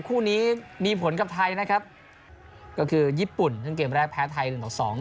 คู่นี้มีผลกับไทยนะครับก็คือญี่ปุ่นซึ่งเกมแรกแพ้ไทยหนึ่งต่อสอง